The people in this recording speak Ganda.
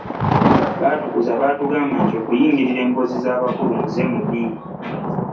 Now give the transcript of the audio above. Baatukuza batugamba nti okuyingirira emboozi yabakulu muze mubi.